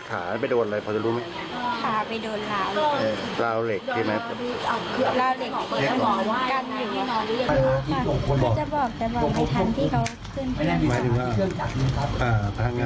แล้วเขาก็เดินไปเปิดเครื่อง